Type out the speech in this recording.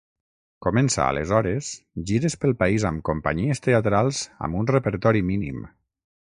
Comença, aleshores, gires pel país amb companyies teatrals amb un repertori mínim.